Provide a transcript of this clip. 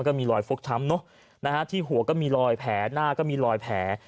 ก็มีรอยฟกช้ำเนอะนะฮะที่หัวก็มีรอยแผลหน้าก็มีรอยแผล